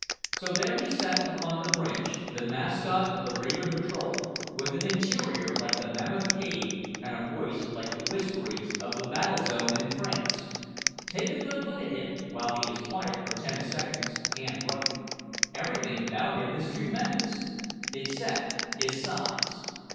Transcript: So there he sat upon the branch, the mascot of the Raven Patrol, with an interior like the Mammoth Cave and a voice like the whisperings of the battle zone in France. Take a good look at him while he is quiet for ten seconds hand running. Everything about him is tremendous—except his size.